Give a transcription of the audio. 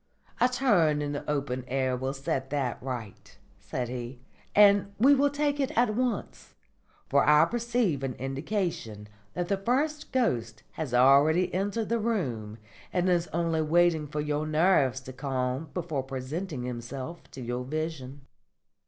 "A turn in the open air will set that right," said he, "and we will take it at once; for I perceive an indication that the first ghost has already entered the room and is only waiting for your nerves to calm before presenting himself to your vision."